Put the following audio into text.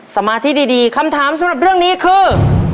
สมาธิดีคำถามสำหรับเรื่องนี้คือ